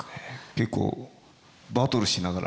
結構バトルしながら。